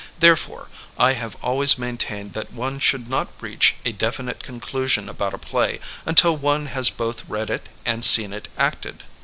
Therefore, I CHARACTERIZATION vs. SITUATION 89 have always maintained that one should not reach a definite conclusion about a play until one has both read it and seen it acted.